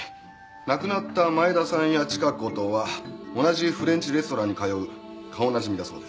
亡くなった前田さんやチカ子とは同じフレンチレストランに通う顔なじみだそうです。